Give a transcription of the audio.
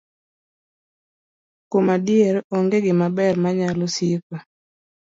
Kuom adier, onge gimaber manyalo siko.